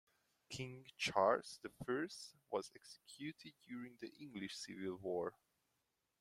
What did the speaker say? King Charles the First was executed during the English Civil War